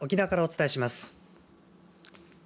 沖縄からお伝えします。